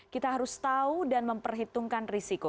kita harus tahu dan memperhitungkan risiko